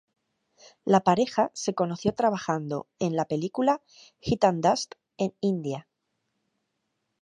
La pareja se conoció trabajando en al película "Heat and Dust" en India.